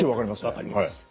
分かります。